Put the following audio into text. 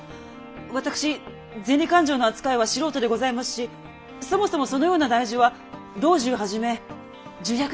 私銭勘定の扱いは素人でございますしそもそもそのような大事は老中はじめ重役方のほうが。